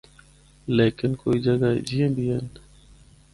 لیکن کوئی جگہاں ہِجیاں بھی ہن۔